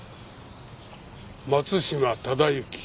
松島忠之。